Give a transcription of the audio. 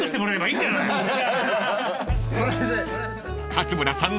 ［勝村さん